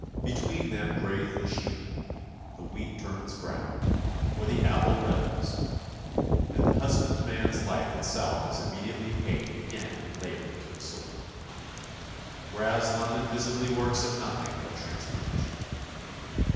Between them graze the sheep, the wheat turns brown, or the apple reddens, and the husbandman's life itself is immediately paid again in labour to the soil. Whereas London visibly works at nothing but transformation.